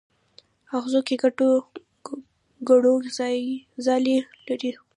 اغزو کې غټو غڼو ځالې کړي